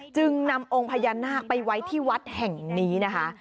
จึงนำองค์พญานาคไปไว้ที่วัดแห่งนี้นะคะ